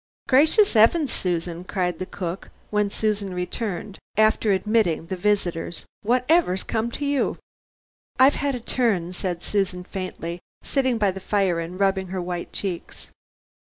"Gracious 'eavens, Susan," cried the cook, when Susan returned, after admitting the visitors, "whatever's come to you?" "I've had a turn," said Susan faintly, sitting by the fire and rubbing her white cheeks.